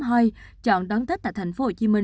hoi chọn đón tết tại tp hcm